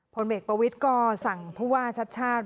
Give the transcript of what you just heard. พลเมคประวิทย์กรสั่งพุหว่าชัตต์ชาติ